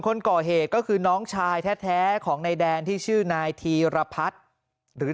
คนก่อเหตุก็คือน้องชายแท้ของนายแดนที่ชื่อนายธีรพัฒน์หรือ